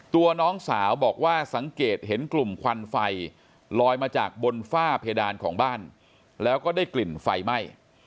ตัวน้องสาวบอกว่าสังเกตเห็นกลุ่มควันไฟลอยมาจากบนฝ้าเพดานของบ้านแล้วก็ได้กลิ่นไฟไหม้